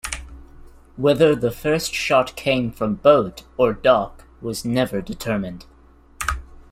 Whether the first shot came from boat or dock was never determined.